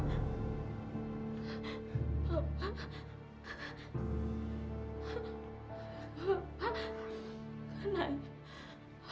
dia sudah nangis